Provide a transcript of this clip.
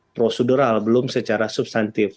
prosedural belum secara substantif